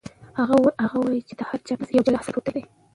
هغه وایي چې د هر چا په ذهن کې یو جلا اثر پروت دی.